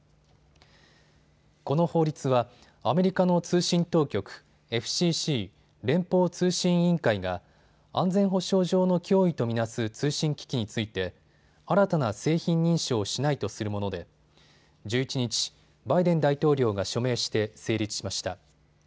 この法律はアメリカの通信当局、ＦＣＣ・連邦通信委員会が安全保障上の脅威と見なす通信機器について新たな製品認証をしないとするもので１１日、バイデン大統領が署名して成立しました。